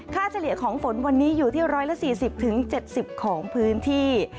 เฉลี่ยของฝนวันนี้อยู่ที่๑๔๐๗๐ของพื้นที่